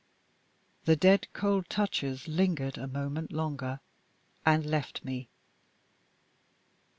The dead cold touches lingered a moment longer and left me.